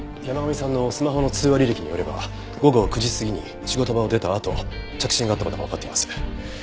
山神さんのスマホの通話履歴によれば午後９時過ぎに仕事場を出たあと着信があった事がわかっています。